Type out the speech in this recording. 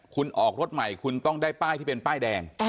คุณออกรถใหม่คุณต้องได้ป้ายที่เป็นป้ายแดง